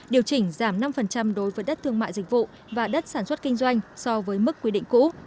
điều chỉnh giảm năm đối với đất thương mại dịch vụ và đất sản xuất kinh doanh so với mức quy định cũ